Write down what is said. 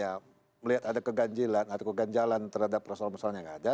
ya melihat ada keganjilan atau keganjalan terhadap persoalan persoalan yang ada